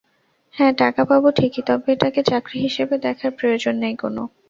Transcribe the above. হ্যাঁ, টাকা পাবো ঠিকই, তবে এটাকে চাকরি হিসাবে দেখার প্রয়োজন নেই কোনো।